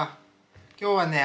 今日はね